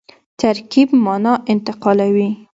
ترکیب مانا انتقالوي.